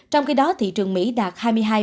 trong khi đó thị trường mỹ đạt hai mươi hai ba mươi năm